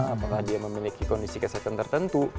apakah dia memiliki kondisi kesehatan tertentu